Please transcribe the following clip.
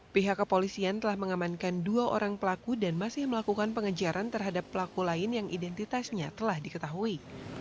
pihak kepolisian telah mengamankan dua orang pelaku dan masih melakukan pengejaran terhadap pelaku lain yang identitasnya telah diketahui